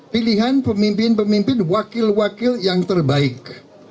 pilihan pemimpin pemimpin wakil wakil yang terbaik